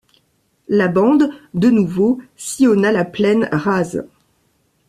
La bande, de nouveau, sillonna la plaine rase.